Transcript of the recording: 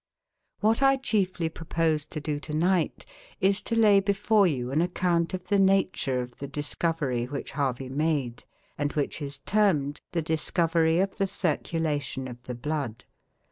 What I chiefly propose to do to night is to lay before you an account of the nature of the discovery which Harvey made, and which is termed the Discovery of the Circulation of the Blood.